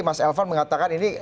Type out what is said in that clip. mas elvan mengatakan ini